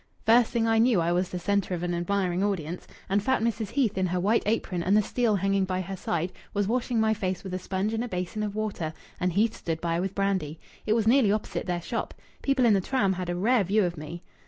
"First thing I knew I was the centre of an admiring audience, and fat Mrs. Heath, in her white apron and the steel hanging by her side, was washing my face with a sponge and a basin of water, and Heath stood by with brandy. It was nearly opposite their shop. People in the tram had a rare view of me."